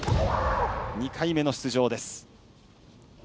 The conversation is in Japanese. ２回目の出場です。